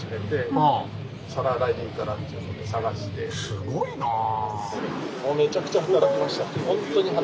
すごいなあ。